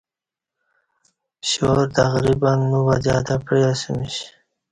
پشاور تقریبا نو بجہ تہ پعیاسمیش